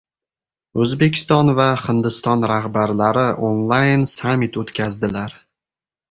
O‘zbekiston va Hindiston rahbarlari onlayn-sammit o‘tkazdilar